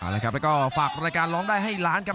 แล้วก็ฝากรายการร้องได้ให้ล้านครับ